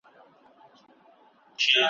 شنه ټگي وه که ځنگل که یې کیسې وې ,